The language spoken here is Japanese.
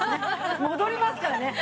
戻りますからね。